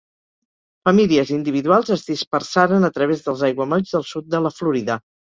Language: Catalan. Famílies individuals es dispersaren a través dels aiguamolls del sud de la Florida.